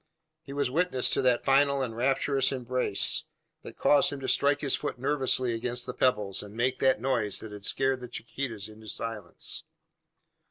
He was witness to that final and rapturous embrace, that caused him to strike his foot nervously against the pebbles, and make that noise that had scared the cicadas into silence.